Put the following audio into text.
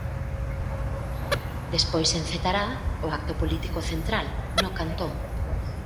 Despois encetará o acto político central, no Cantón.